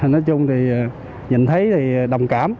nói chung nhìn thấy thì đồng cảm